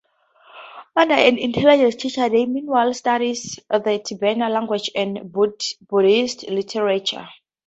Under an intelligent teacher they meanwhile studied the Tibetan language and Buddhist literature.